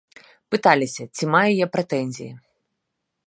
Пыталіся, ці маю я прэтэнзіі.